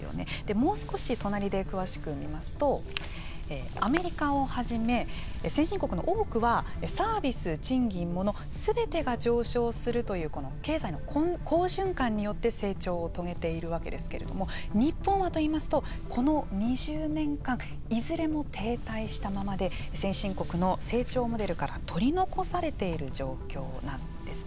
もう少し隣で詳しく見ますとアメリカをはじめ先進国の多くはサービス、賃金、モノすべてが上昇するという経済の好循環によって成長を遂げているわけですけれども日本はといいますとこの２０年間いずれも停滞したままで先進国の成長モデルから取り残されている状況なんですね。